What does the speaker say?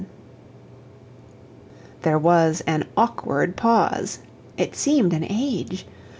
There was an awkward pause it seemed an age.